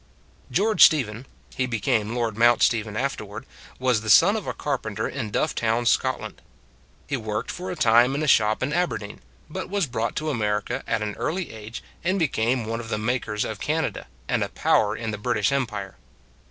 George Stephen he became Lord Mount Stephen afterward was the son of a carpenter in Dufftown, Scotland. He worked for a time in a shop in Aberdeen, but was brought to America at an early age, and became one of the makers of Hezeklah Is Dead Canada, and a power in the British Empire.